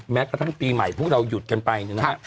แม้กระทั่งปีใหม่พวกเราหยุดกันไป